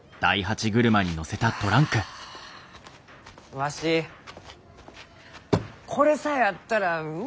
わしこれさえあったらう